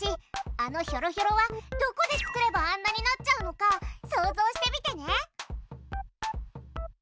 あのひょろひょろはどこで作ればあんなになっちゃうのか想像してみてね。